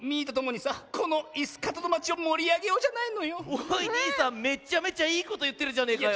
おいにいさんめっちゃめちゃいいこといってるじゃねえかよ。